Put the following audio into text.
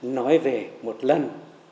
nói về một lần